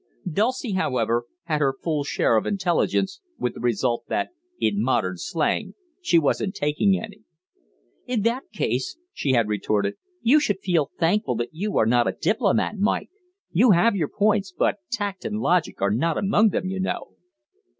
Dulcie, however, had her full share of intelligence, with the result that, in modern slang, she "wasn't taking any." "In that case," she had retorted, "you should feel thankful that you are not a diplomat, Mike. You have your points, but tact and logic are not among them, you know!"